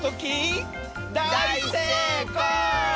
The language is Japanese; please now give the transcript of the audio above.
だい・せい・こう！